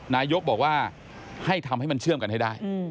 นายกบอกว่าให้ทำให้มันเชื่อมกันให้ได้